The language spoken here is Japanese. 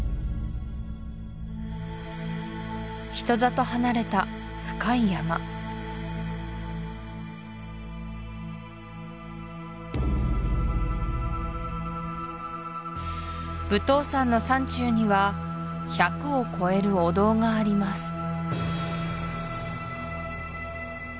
人里離れた深い山武当山の山中には１００を超えるお堂があります